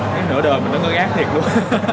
cái nửa đời mình nó ngơ ngát thiệt luôn